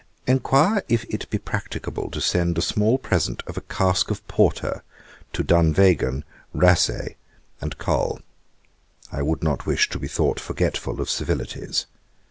'Enquire if it be practicable to send a small present of a cask of porter to Dunvegan, Rasay, and Col. I would not wish to be thought forgetful of civilities.